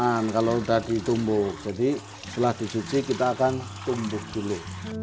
samaan kalau udah ditumbuk jadi setelah dicuci kita akan tumbuk dulu